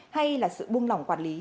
hay là sự bung lỏng quản lý